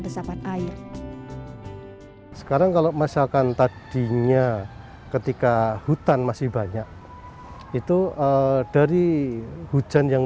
resapan air sekarang kalau misalkan tadinya ketika hutan masih banyak itu dari hujan yang